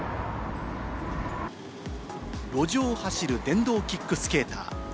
路上を走る電動キックスケーター。